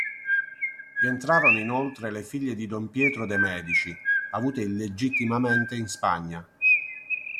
Vi entrarono inoltre le figlie di don Pietro de' Medici, avute illegittimamente in Spagna.